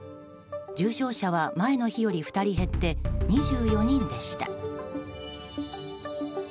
重症者は前の日より２人減って２４人でした。